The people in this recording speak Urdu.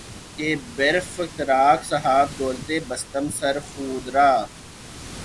کہ بر فتراک صاحب دولتے بستم سر خود را